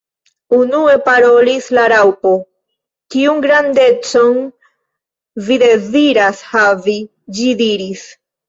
Unue parolis la Raŭpo. "Kiun grandecon vi deziras havi?" ĝi diris.